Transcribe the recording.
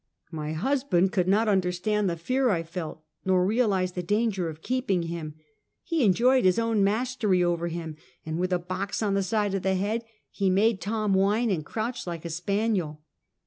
My husband could not understand the fear I felt, nor realize the danger of keeping him. He enjoyed his own mastery over him, and with a box on the side of the head he made Tom whine and crouch like a spaniel.